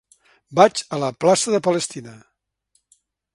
Vaig a la plaça de Palestina.